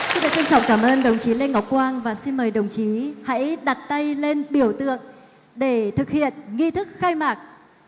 xin được trân trọng cảm ơn đồng chí lê ngọc quang và xin mời đồng chí hãy đặt tay lên biểu tượng để thực hiện nghi thức khai mạc